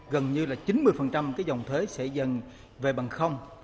gần như chín mươi dòng thuế sẽ dần về bằng không